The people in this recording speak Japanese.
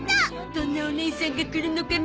どんなおねいさんが来るのかな？